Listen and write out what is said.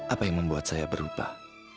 apa yang membuat saya berubah